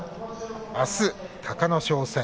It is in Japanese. あすは隆の勝戦。